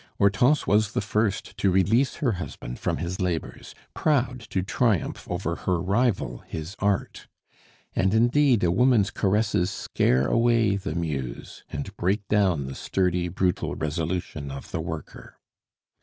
Hortense was the first to release her husband from his labors, proud to triumph over her rival, his Art. And, indeed, a woman's caresses scare away the Muse, and break down the sturdy, brutal resolution of the worker.